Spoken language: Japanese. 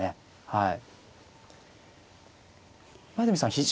はい。